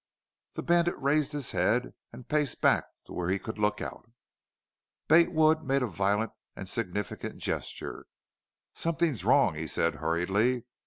The bandit raised his head and paced back to where he could look out. Bate Wood made a violent and significant gesture. "Somethin' wrong," he said, hurriedly.